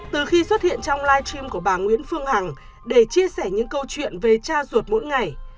từ khi xuất hiện trong live stream của bà nguyễn phương hằng để chia sẻ những câu chuyện về cha ruột mỗi ngày